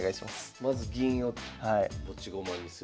まず銀を持ち駒にする。